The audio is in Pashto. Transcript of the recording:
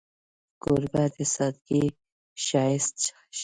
کوربه د سادګۍ ښایست ښيي.